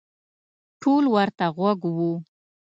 ټول ورته غوږ وو.